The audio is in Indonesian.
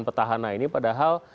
petahana ini padahal